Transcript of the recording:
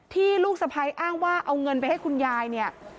ลูกสะพ้ายอ้างว่าเอาเงินไปให้คุณยายเนี่ย